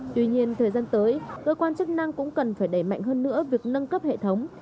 tuy nhiên thời gian tới cơ quan chức năng cũng cần phải đẩy mạnh hơn nữa việc nâng cấp hệ thống